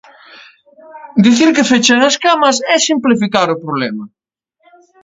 Dicir que fechan as camas é simplificar o problema.